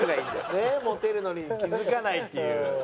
モテるのに気づかないっていう。